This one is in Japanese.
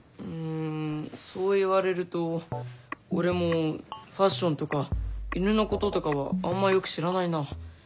うんそう言われると俺もファッションとか犬のこととかはあんまよく知らないな。